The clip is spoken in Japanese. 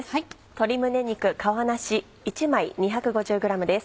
鶏胸肉皮なし１枚２５０ｇです。